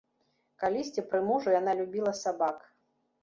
Калісьці, пры мужу, яна любіла сабак.